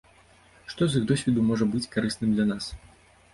Што з іх досведу можа быць карысным для нас?